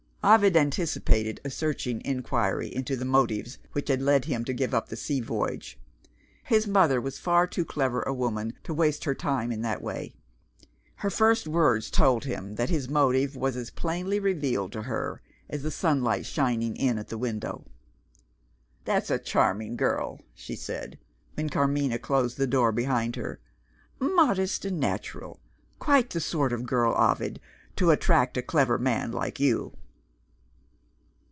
Ovid anticipated a searching inquiry into the motives which had led him to give up the sea voyage. His mother was far too clever a woman to waste her time in that way. Her first words told him that his motive was as plainly revealed to her as the sunlight shining in at the window. "That's a charming girl," she said, when Carmina closed the door behind her. "Modest and natural quite the sort of girl, Ovid, to attract a clever man like you."